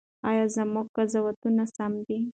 ایا زموږ قضاوتونه سم دي؟